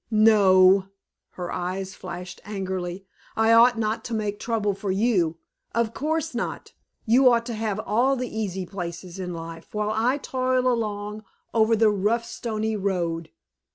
"No," her eyes flashed angrily "I ought not to make trouble for you. Of course not. You ought to have all the easy places in life, while I toil along over the rough, stony road.